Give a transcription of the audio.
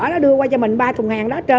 nó đưa qua cho mình ba thùng hàng đó trên